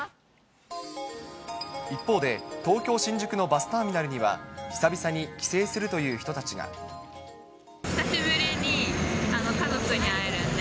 一方で、東京・新宿のバスターミナルには、久しぶりに家族に会えるんで。